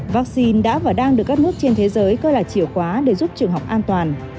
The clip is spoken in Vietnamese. vaccine đã và đang được các nước trên thế giới coi là chìa khóa để giúp trường học an toàn